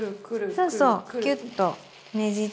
そうそうキュッとねじって。